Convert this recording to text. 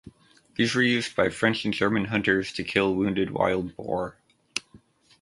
These were used by French and German hunters to kill wounded wild boar.